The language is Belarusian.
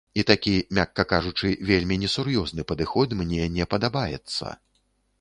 І такі, мякка кажучы, вельмі несур'ёзны падыход мне не падабаецца.